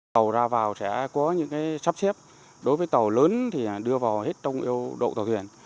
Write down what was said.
tàu ra vào sẽ có những chấp xếp đối với tàu lớn thì đưa vào hết trong neo đậu tàu thuyền